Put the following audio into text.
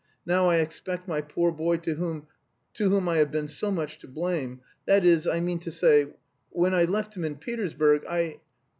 "Now I expect my poor boy to whom... to whom I have been so much to blame! That is, I mean to say, when I left him in Petersburg, I...